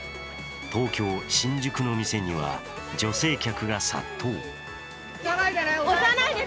東京・新宿の店には女性客が殺到。